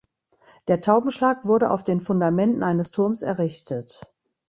Der Taubenschlag wurde auf den Fundamenten eines Turms errichtet.